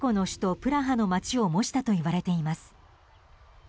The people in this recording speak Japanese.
プラハの街を模したといわれています。